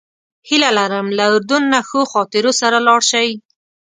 هیله لرم له اردن نه ښو خاطرو سره لاړ شئ.